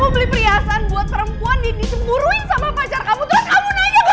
kamu beli perhiasan buat perempuan ini ditemburui sama pacar kamu terus kamu nanya gak apa apa